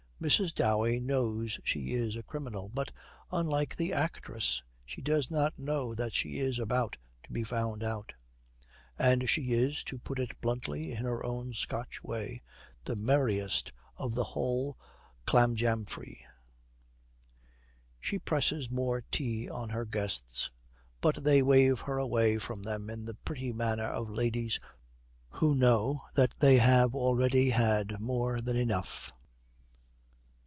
Mrs. Dowey knows she is a criminal, but, unlike the actress, she does not know that she is about to be found out; and she is, to put it bluntly in her own Scotch way, the merriest of the whole clanjamfry. She presses more tea on her guests, but they wave her away from them in the pretty manner of ladies who know that they have already had more than enough.